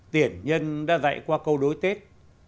tiền nhân đã dạy qua câu đối tết